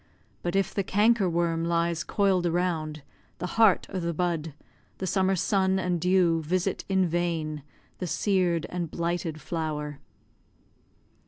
But if the canker worm lies coil'd around The heart o' the bud, the summer sun and dew Visit in vain the sear'd and blighted flower.